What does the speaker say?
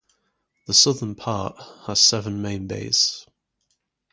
The southern part has seven main bays.